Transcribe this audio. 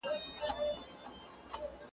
د خپل استاد ارواښاد محمد صدیق روهي `